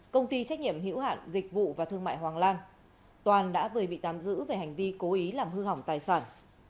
công ty trách nhiệm hữu hạn dịch vụ và thương mại hoàng lan toàn đã vừa bị tạm giữ về hành vi cố ý làm hư hỏng tài sản